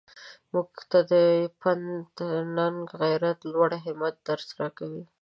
موږ ته د پند ننګ غیرت لوړ همت درس راکوي.